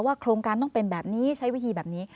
โครงการต้องเป็นแบบนี้ใช้วิธีแบบนี้